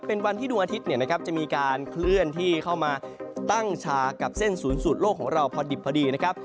เป็นวันที่ดวงอาทิตย์เนี่ยนะครับจะมีการเคลื่อนที่เข้ามาตั้งชากับเส้นศูนย์สูตรโลกของเราพอดิบพอดีนะครับ